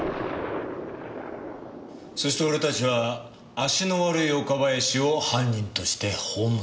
そして俺たちは足の悪い岡林を犯人として葬った。